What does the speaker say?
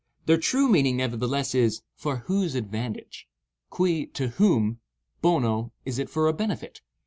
Their true meaning, nevertheless, is "for whose advantage." Cui, to whom; bono, is it for a benefit.